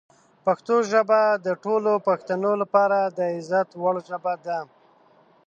پښتو ژبه د ټولو پښتنو لپاره د عزت وړ ژبه ده.